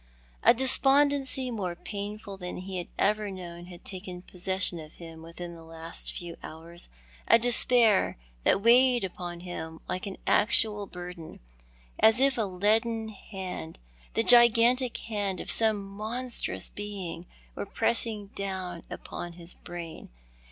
A despondency more painful than he had ever known had taken possession of him within the last few hours, a despair that weighed upon him like an actual burden, as if a leaden hand — the gigantic hand of some monstrous being — Mere pressing down upon his brain.